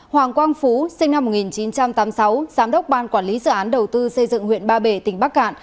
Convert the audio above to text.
hoàng quang phú sinh năm một nghìn chín trăm tám mươi sáu giám đốc ban quản lý dự án đầu tư xây dựng huyện ba bể tỉnh bắc cạn